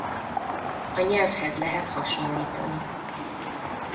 A nyelvhez lehet hasonlítani.